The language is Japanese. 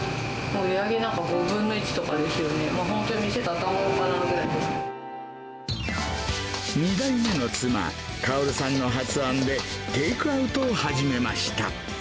もう本当に、２代目の妻、カヲルさんの発案で、テイクアウトを始めました。